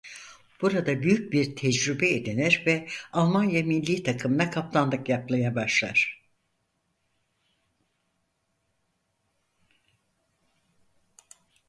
Burada büyük bir tecrübe edinir ve Almanya millî takımına kaptanlık yapmaya başlar.